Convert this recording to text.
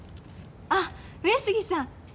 あっ上杉さん。